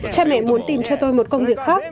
cha mẹ muốn tìm cho tôi một công việc khác